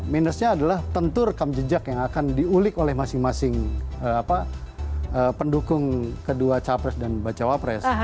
minusnya adalah tentu rekam jejak yang akan diulik oleh masing masing pendukung kedua capres dan bacawa pres